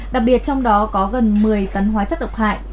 đặc biệt trong đó có gần một mươi tấn hóa chất độc hại